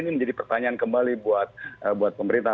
ini menjadi pertanyaan kembali buat pemerintah